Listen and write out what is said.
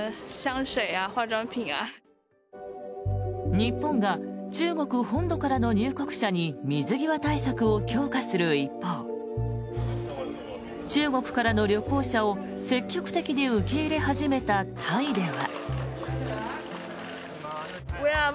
日本が中国本土からの入国者に水際対策を強化する一方中国からの旅行者を積極的に受け入れ始めたタイでは。